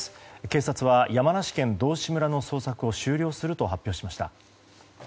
警察は山梨県道志村の捜索を終了すると発表しました。